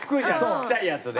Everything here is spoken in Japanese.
ちっちゃいやつで。